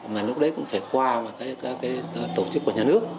mà lúc đấy cũng phải qua các tổ chức của nhà nước